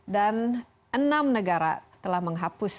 dan enam negara telah menghapus